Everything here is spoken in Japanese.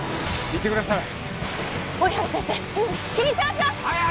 行ってください。